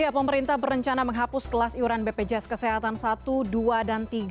pemerintah berencana menghapus kelas iuran bpjs kesehatan satu dua dan tiga